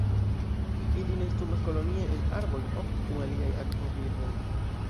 Ili nestumas kolonie en arboj, ofte kun aliaj akvobirdoj.